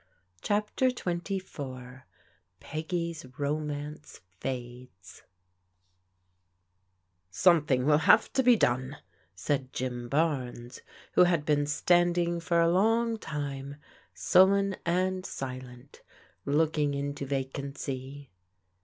CHAPTER XXIV PEGGY'S ROMANCE FADES OMETHING will have to be done/' said Jim Barnes, who had been standing for a long time, sullen and silent, looking into vacancy.